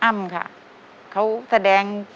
อ้ำค่ะเขาแสดง